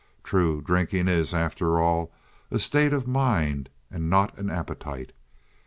True, drinking is, after all, a state of mind, and not an appetite.